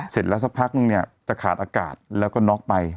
เสร็จแล้วสักพักนึงเนี่ยจะขาดอากาศแล้วก็น็อกไป